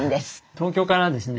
東京からですね